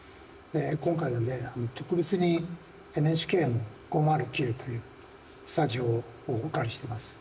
今回は特別にＮＨＫの５０９というスタジオをお借りしています。